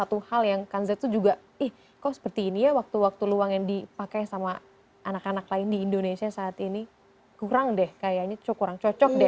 satu hal yang kanza tuh juga ih kok seperti ini ya waktu waktu luang yang dipakai sama anak anak lain di indonesia saat ini kurang deh kayaknya kurang cocok deh